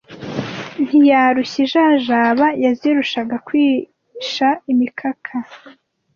Ntiyarushya ijajaba yazirushaga kwisha imikaka